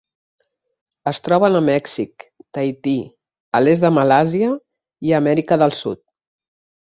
Es troben a Mèxic, Tahití, a l'est de Malàisia i a Amèrica del Sud.